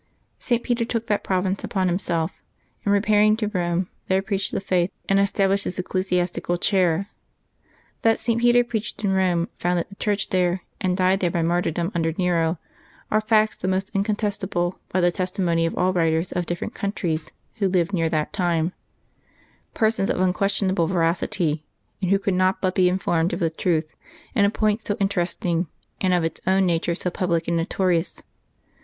St. Peter took that province upon himself, and, repairing to Eome, there preached the faith and established his ecclesiastical chair. That St. Peter preached in Pome, founded the Church there, and died there by martyrdom under Nero, are facts the most incontestable, by the testi mony of all writers of different countries who lived near that time; persons of unquestionable veracity, and who could not iDut be informed of the truth in a point so inter esting and of its own nature so public and notorious.